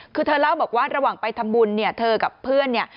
คือเธอเล่าบอกว่าระหว่างไปทำบุญเนี่ยเธอกับเพื่อนเนี่ย